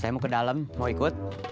saya mau ke dalam mau ikut